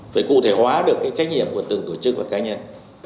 phải cụ thể hóa được cái trách nhiệm của từng tổ chức và cá nhân